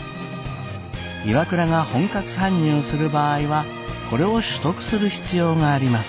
ＩＷＡＫＵＲＡが本格参入する場合はこれを取得する必要があります。